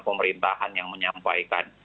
pemerintahan yang menyampaikan